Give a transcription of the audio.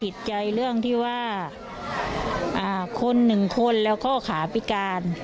ติดใจเรื่องที่ว่าคนหนึ่งคนแล้วก็ขาพิการ